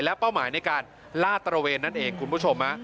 เป้าหมายในการลาดตระเวนนั่นเองคุณผู้ชม